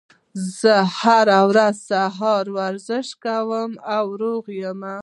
زه هره ورځ د سهار ورزش کوم او روغ یم